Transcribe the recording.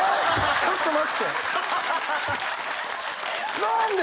ちょっと待って何で？